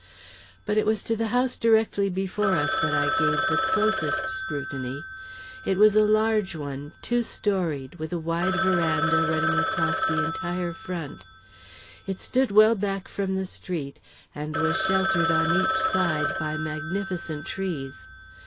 But it was to the house directly before us that I gave the closest scrutiny. It was a large one, two storied, with a wide veranda running across the entire front. It stood well back from the street, and was sheltered on each side by magnificent trees.